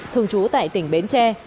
thường trú tại tỉnh bến tre